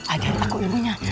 ajarin aku ilmunya